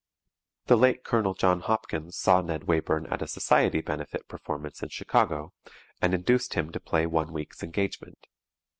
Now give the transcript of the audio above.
The late Col. John Hopkins saw Ned Wayburn at a society benefit performance in Chicago, and induced him to play one week's engagement.